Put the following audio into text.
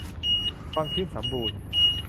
ความชื้นสัมบูรณ์